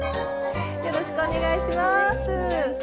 よろしくお願いします。